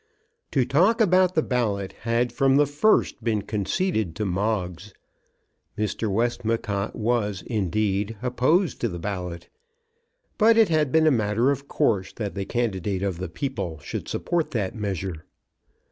To talk about the ballot had from the first been conceded to Moggs. Mr. Westmacott was, indeed, opposed to the ballot; but it had been a matter of course that the candidate of the people should support that measure.